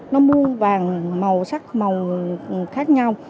nó mua vàng màu sắc màu khác nhau